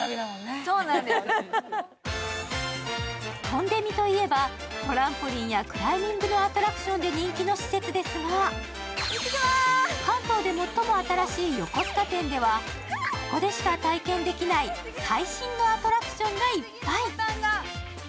トンデミといえば、トランポリンやクライミングで人気のアトラクションですが関東で最も新しい横須賀店ではここでしか体験できない最新のアトラクションがいっぱい。